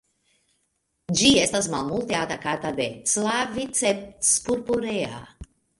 Ĝi estas malmulte atakata de "Claviceps purpurea".